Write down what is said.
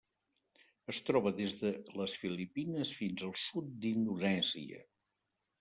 Es troba des de les Filipines fins al sud d'Indonèsia.